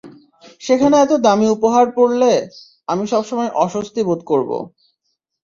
সেখানে এত দামি উপহার পরলে, আমি সবসময় অস্বস্তি বোধ করবো।